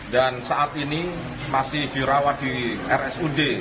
dan saat ini masih dirawat di rsud